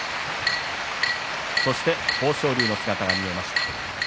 そして豊昇龍の姿が見えました。